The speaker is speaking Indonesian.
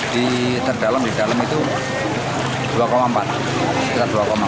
di terdalam itu dua empat meter